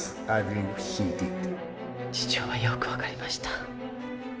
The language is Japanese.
事情はよく分かりました。